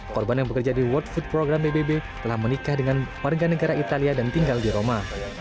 korban yang bekerja di world food program pbb telah menikah dengan warga negara italia dan tinggal di roma